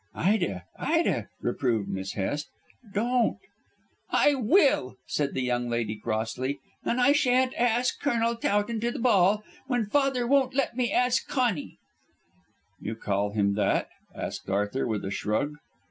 "Ida! Ida!" reproved Miss Hest, "don't " "I will," said the young lady crossly; "and I shan't ask Colonel Towton to the ball, when father won't let me ask Conny." "You call him that?" asked Arthur, with a shrug.